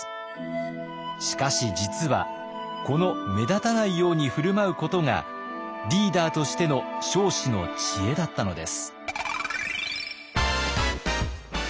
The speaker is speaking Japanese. しかし実はこの目立たないように振る舞うことがリーダーとしての彰子の知恵だったのです。